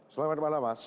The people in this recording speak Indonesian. selamat malam mas